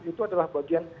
itu adalah bagian